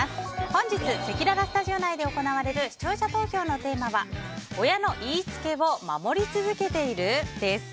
本日せきららスタジオ内で行われる視聴者投票のテーマは親の言いつけを守り続けている？です。